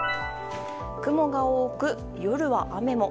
雲が多く、夜は雨も。